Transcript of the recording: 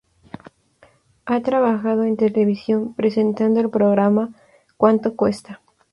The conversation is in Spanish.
Ha trabajado en televisión presentando el programa "¿Cuánto Cuesta?